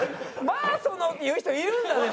「まあその」って言う人いるんだね